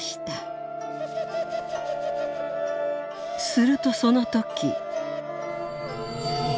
「するとその時。